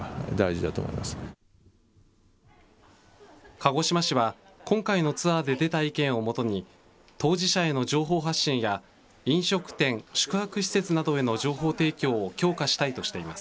鹿児島市は、今回のツアーで出た意見を基に、当事者への情報発信や、飲食店、宿泊施設などへの情報提供を強化したいとしています。